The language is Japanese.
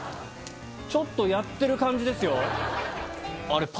ちょっとやってる感じですよ。